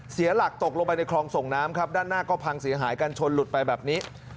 เสียหลักตกลงไปในคลองส่งน้ำครับด้านหน้าก็พังเสียหายกันชนหลุดไปแบบนี้